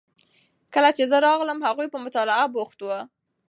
کله چې زه راغلم هغوی په مطالعه بوخت وو.